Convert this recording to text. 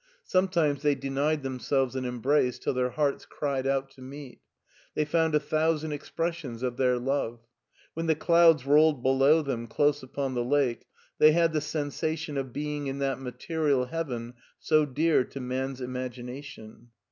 Sometimes they denied themselves an embrace till their hearts cried out to meet. They found a thousand expressions of their love. When the clouds rolled below them, dose upon the lake, they had the sensation of being in that material heaven so dear to man's imagination.